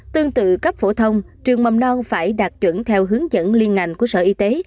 tương tự cấp phổ thông trường mầm non phải đạt chuẩn theo hướng dẫn liên ngành của sở y tế